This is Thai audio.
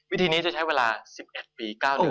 วิธีนี้จะใช้เวลา๑๑ปี๙เดือน